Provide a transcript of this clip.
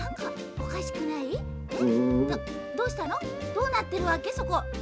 どうなってるわけそこ？